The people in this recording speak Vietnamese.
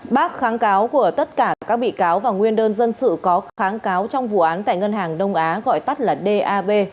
bác kháng cáo của tất cả các bị cáo và nguyên đơn dân sự có kháng cáo trong vụ án tại ngân hàng đông á gọi tắt là dab